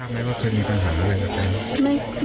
ทำให้ว่าเจอมีปัญหาอะไรบ้างครับแก